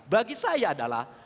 bagi saya adalah